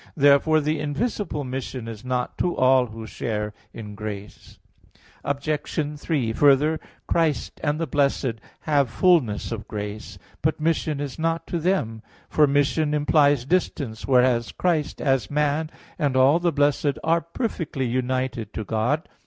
Therefore the invisible mission is not to all who share in grace. Obj. 3: Further, Christ and the blessed have fullness of grace. But mission is not to them, for mission implies distance, whereas Christ, as man, and all the blessed are perfectly united to God.